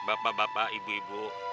bapak bapak ibu ibu